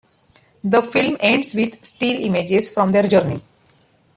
The film ends with still images from their journey.